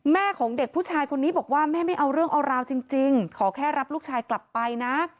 ของเด็กผู้ชายคนนี้บอกว่าแม่ไม่เอาเรื่องเอาราวจริงขอแค่รับลูกชายกลับไปนะ